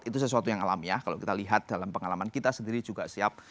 itu sesuatu yang alamiah kalau kita lihat dalam pengalaman kita sendiri juga siap